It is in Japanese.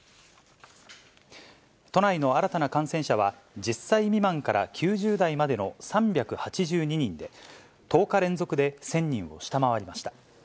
都内の新たな感染者は、１０歳未満から９０代までの３８２人で、１０日連続で１０００人を下回りました。